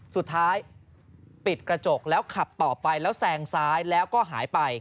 สุดท้ายปิดกระจกแล้วขับต่อไปแล้วแซงซ้ายแล้วก็หายไป